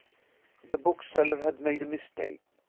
The bookseller had made a mistake.